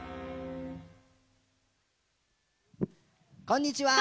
こんにちは！